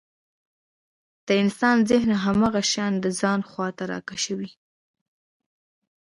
د انسان ذهن هماغه شيان د ځان خواته راکشوي.